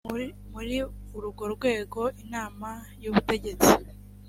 muri urwo rwego inama y ubutegetsi